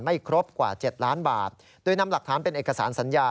ไม่ครบกว่า๗ล้านบาทโดยนำหลักฐานเป็นเอกสารสัญญา